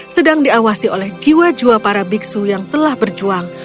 sedang diawasi oleh jiwa jiwa para biksu yang telah berjuang